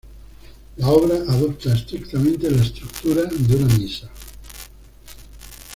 La obra adopta estrictamente la estructura de una misa.